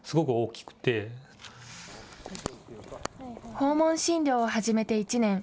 訪問診療を始めて１年。